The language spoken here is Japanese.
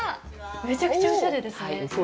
めちゃくちゃおしゃれですね。